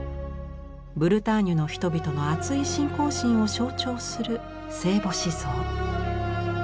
ブルターニュの人々のあつい信仰心を象徴する聖母子像。